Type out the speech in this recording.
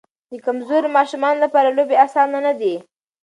د کمزورو ماشومانو لپاره لوبې اسانه نه دي.